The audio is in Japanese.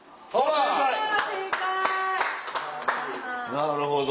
なるほど！